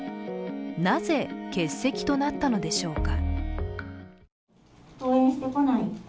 なぜ、欠席となったのでしょうか。